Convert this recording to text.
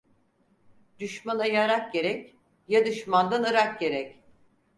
Düşmana yarak gerek, ya düşmandan ırak gerek.